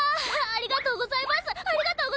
ありがとうございます！